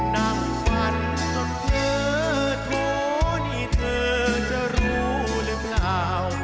นั่งฝันจนเธอโถนี่เธอจะรู้หรือเปล่า